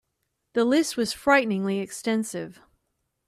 The list was frighteningly extensive.